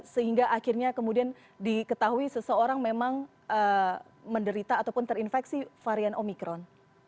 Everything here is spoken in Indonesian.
sehingga akhirnya kemudian diketahui seseorang memang menderita ataupun terinfeksi varian omikron